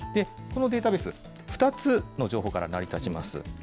このデータベース、２つの情報から成り立ちます。